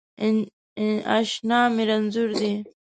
اشنا می رنځور دی